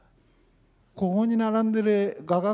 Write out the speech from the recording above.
ここに並んでる画学